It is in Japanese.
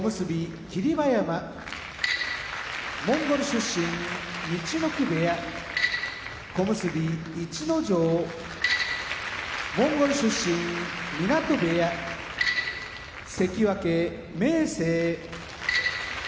馬山モンゴル出身陸奥部屋小結・逸ノ城モンゴル出身湊部屋関脇・明生鹿児島県出身